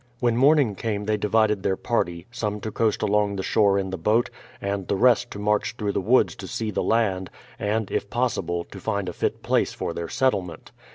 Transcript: When morning came they divided their party, some to coast along the shore in the boat, and the rest to march through the woods to see the land, and, if possible, to find a fit place for their settlement.